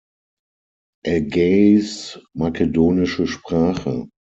Ägäis-Makedonische Sprache